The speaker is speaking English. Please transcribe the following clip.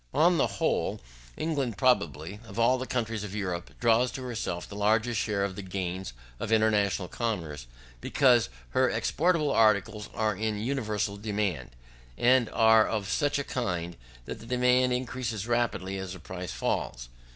On the whole, England probably, of all the countries of Europe, draws to herself the largest share of the gains of international commerce: because her exportable articles are in universal demand, and are of such a kind that the demand increases rapidly as the price falls.